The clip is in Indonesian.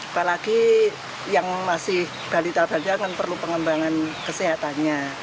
apalagi yang masih balita bahagia kan perlu pengembangan kesehatannya